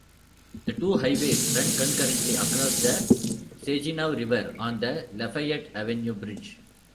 The two highways run concurrently across the Saginaw River on the Lafayette Avenue Bridge.